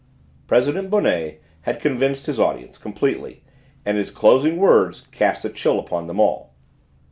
President Bonnet had convinced his audience completely, and his closing words cast a chill upon them all.